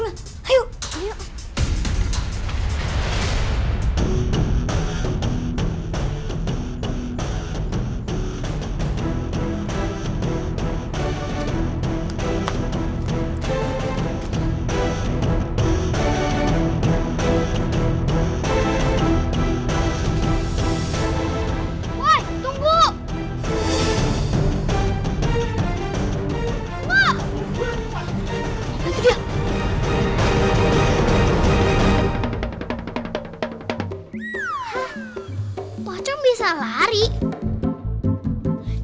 iya itu pak tamrin